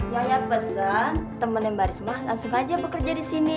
nyanyir pesan temennya mbak risma langsung aja bekerja di sini